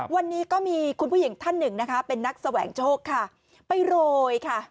วันนี้ก็มีคุณผู้หญิงท่านหนึ่งนะคะเป็นนักแสวงโชคค่ะไปโรยค่ะ